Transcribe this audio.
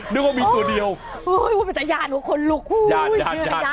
นึกว่ามีตัวเดียวโหโหเป็นตัวญาณของคนลูกญาญาญาญ